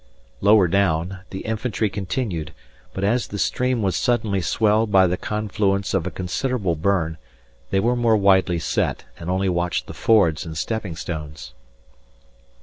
Lower down, the infantry continued; but as the stream was suddenly swelled by the confluence of a considerable burn, they were more widely set, and only watched the fords and stepping stones.